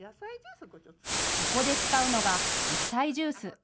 そこで使うのが野菜ジュース。